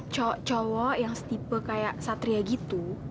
cowok cowok yang setipe kayak satria gitu